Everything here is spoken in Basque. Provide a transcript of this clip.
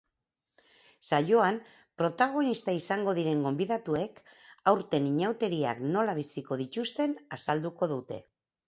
Saioan protagonista izango diren gonbidatuek aurten inauteriak nola biziko dituzten azalduko dute.